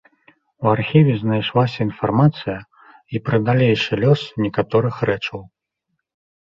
У архіве знайшлася інфармацыя і пра далейшы лёс некаторых рэчаў.